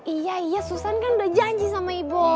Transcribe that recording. iya iya susann kan udah janji sama ibob